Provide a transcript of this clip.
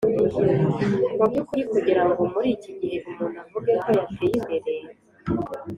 mu by’ukuri kugira ngo muri iki gihe umuntu avuge ko yateye imbere